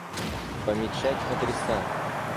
Помечать адреса